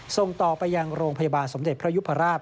ส่งต่อไปยังโรงพยาบาลสมเด็จพระยุพราช